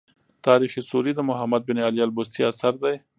تاریخ سوري د محمد بن علي البستي اثر دﺉ.